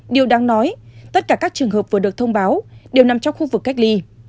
điều đáng nói tất cả các trường hợp vừa được thông báo đều nằm trong khu vực cách ly